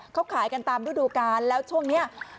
เขาขายกันตามฤดูกาลแล้วช่วงนี้